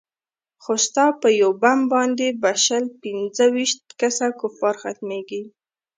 خو ستا په يو بم باندې به شل پينځه ويشت كسه كفار ختميږي.